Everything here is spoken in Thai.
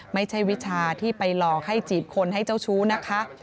วิชาที่ไปหลอกให้จีบคนให้เจ้าชู้นะคะ